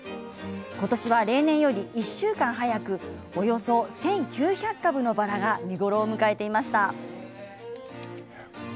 今年は例年より１週間早くおよそ１９００株のバラが見頃を迎えていました。